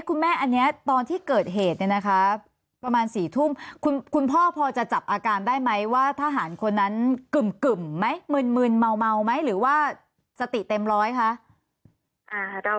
คุณแม่อันนี้ตอนที่เกิดเหตุเนี่ยนะคะประมาณ๔ทุ่มคุณพ่อพอจะจับอาการได้ไหมว่าทหารคนนั้นกึ่มไหมมึนเมาไหมหรือว่าสติเต็มร้อยคะ